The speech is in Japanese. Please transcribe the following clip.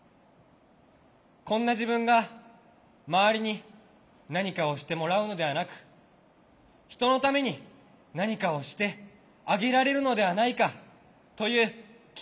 こんな自分が周りに何かをしてもらうのではなく人のために何かをしてあげられるのではないかという希望も持てた。